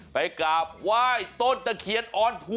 ไปกราบไหว้ต้นตะเคียนออนทัวร์